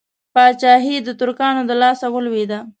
پاچهي د ترکانو د لاسه ولوېده.